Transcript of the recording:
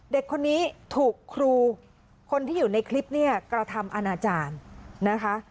เด็กคนนี้ถูกครูคนที่อยู่ในคลิปเนี่ยกระทำอาณาจารย์นะคะ